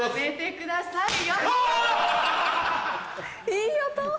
いい音。